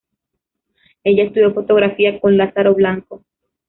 Ella estudió fotografía con Lázaro Blanco.